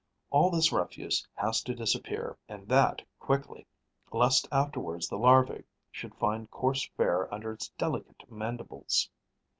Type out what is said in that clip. All this refuse has to disappear and that quickly, lest afterwards the larva should find coarse fare under its delicate mandibles.